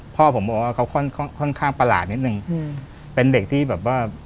พ่อผมบอกว่าเขาค่อนข้างประหลาดนิดนึงเป็นเด็กที่แบบว่า